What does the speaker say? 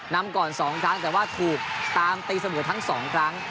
นำก่อน๒ครั้งแต่ว่าถูกตามตีเสมอทั้งสองครั้ง